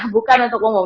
bukan untuk umum